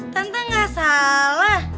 tante gak salah